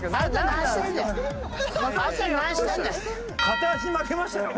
片足に負けましたよ。